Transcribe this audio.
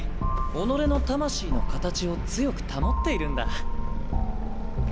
己の魂の形を強く保っているんだ。